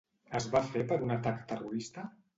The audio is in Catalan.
Es va fer per un atac terrorista?